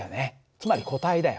つまり固体だよ。